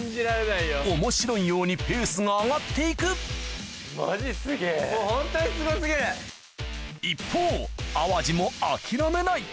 面白いようにペースが上がって行く一方淡路も諦めない・